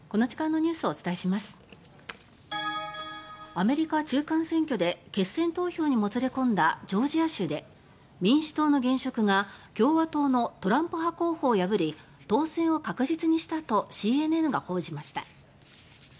アメリカ中間選挙で決選投票にもつれ込んだジョージア州で民主党の現職が共和党のトランプ派候補を下し当選を確実にしたとＣＮＮが報じました。